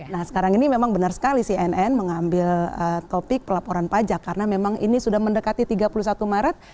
nah sekarang ini memang benar sekali cnn mengambil topik pelaporan pajak karena memang ini sudah mendekati tiga puluh satu maret